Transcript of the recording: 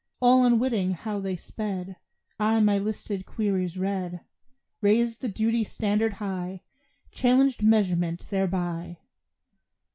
All unwitting how they sped I my listed queries read; Raised the duty standard high, Challenged measurement thereby.